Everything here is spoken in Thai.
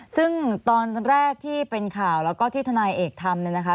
ซึ่งตอนแรกที่เป็นข่าวแล้วก็ที่ทนายเอกทำเนี่ยนะคะ